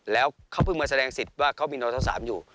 แล้วเขาเพิ่งมาแสดงสิทธิ์ว่าเขามีนทั้ง๓อยู่